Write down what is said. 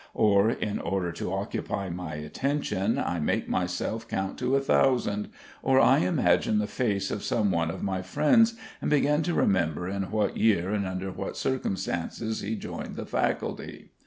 Or in order to occupy my attention I make myself count to a thousand, or I imagine the face of some one of my friends, and begin to remember in what year and under what circumstances he joined the faculty.